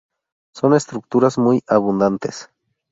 Son estructuras muy abundantes.